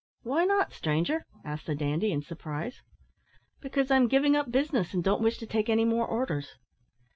"Why not, stranger?" asked the dandy, in surprise. "Because I'm giving up business, and don't wish to take any more orders."